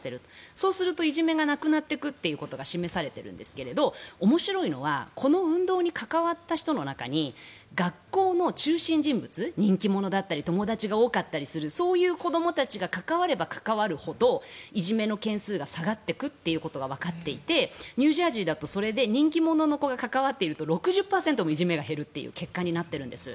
そうするといじめがなくなっていくということが示されているんですが面白いのはこの運動に関わった人の中に学校の中心人物人気者だったり友達が多かったりするそういう子どもたちが関われば関わるほどいじめの件数が下がっていくということがわかっていてニュージャージーだとそれで人気者の子が関わっていると６０％もいじめが減るという結果になっているんです。